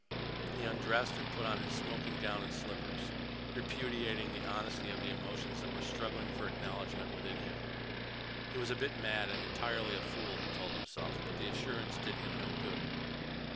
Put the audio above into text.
He undressed and put on his smoking gown and slippers, repudiating the honesty of the emotions that were struggling for acknowledgment within him. He was a bit mad and entirely a fool, he told himself. But the assurance did him no good.